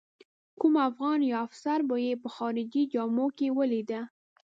کوم افغان یا افسر به یې په خارجي جامو کې ولیده.